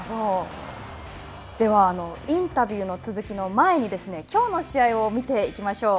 ではインタビューの続きの前にきょうの試合を見ていきましょう。